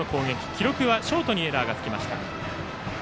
記録はショートにエラーがつきました。